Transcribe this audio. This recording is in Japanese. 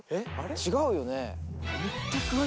違うよね？